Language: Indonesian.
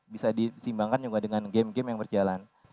bisa diseimbangkan juga dengan game game yang berjalan